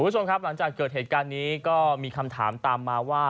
หลังจากเกิดเหตุการณ์นี้ก็มีคำถามตามมาว่า